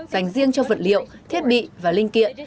dành riêng cho vật liệu thiết bị và linh kiện